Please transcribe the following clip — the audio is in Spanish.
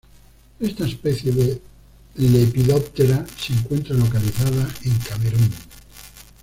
Esta especie de Lepidoptera se encuentra localizada en Camerún.